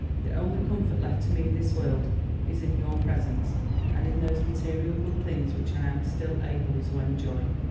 The only comfort left to me in this world is in your presence, and in those material good things which I am still able to enjoy."